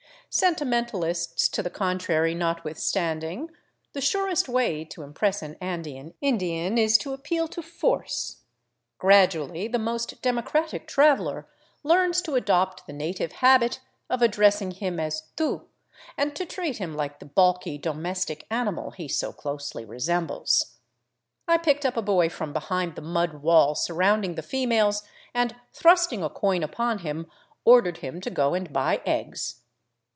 Sentimentalists to the contrary notwithstanding, the surest way to impress an Andean Indian is to appeal to force. Gradually the most democratic traveler learns to adopt the native habit of addressing him as " tu," and to treat him like the balky domestic animal he so closely resembles. I picked up a boy from behind the mud wall surrounding the females, and thrust ing a coin upon him, ordered him to go and buy eggs.